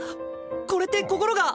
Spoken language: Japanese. これって心が。